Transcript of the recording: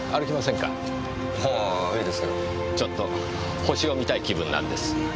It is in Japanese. ちょっと星を見たい気分なんです。